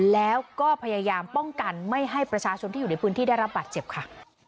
แล้วก็พยายามป้องกันไม่ให้ประชาชนที่อยู่ในพื้นที่ได้รับบาดเจ็บค่ะ